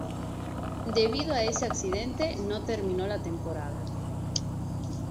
Debido a ese accidente no terminó la temporada.